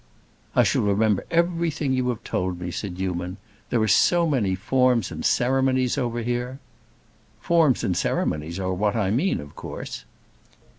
"I shall remember everything you have told me," said Newman. "There are so many forms and ceremonies over here—" "Forms and ceremonies are what I mean, of course."